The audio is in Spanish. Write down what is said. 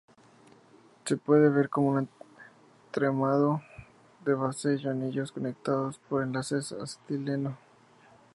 Se puede ver como un entramado de benceno anillos conectados por enlaces acetileno.